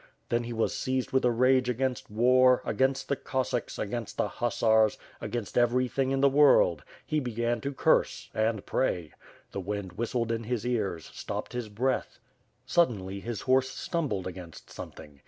Then he was seized with a rage against war, against the Cossacks, against the hussars, against everything in the world. He began to curse — and pray. The wind whistled in his ears, stopped his breath. Suddenly, his horse stumbled against something.